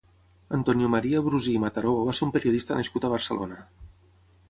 Antonio María Brusi i Mataró va ser un periodista nascut a Barcelona.